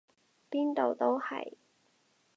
邊度都係！